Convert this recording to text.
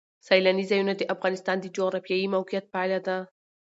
سیلانی ځایونه د افغانستان د جغرافیایي موقیعت پایله ده.